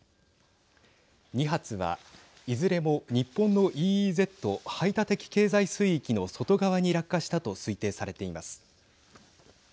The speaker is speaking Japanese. ２発は、いずれも日本のＥＥＺ＝排他的経済水域の外側に落下したと推定されています。